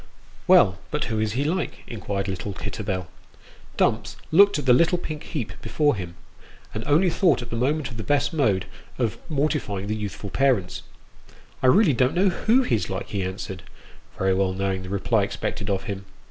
" Well, but who is he like ?" inquired little Kitterbell. Dumps looked at the little pink heap before him, and only thought at the moment of the best mode of mortifying the youthful parents. " I really don't know who he's like," he answered, very well knowing the reply expected of him.